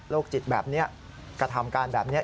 จิตแบบนี้กระทำการแบบนี้